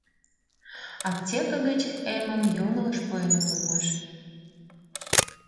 Аптека гыч эмым йоҥылыш пуэныт улмаш.